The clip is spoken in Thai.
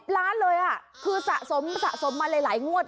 ล้านเลยคือสะสมสะสมมาหลายงวด